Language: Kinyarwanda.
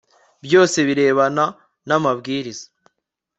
byose birebana n amabwiriza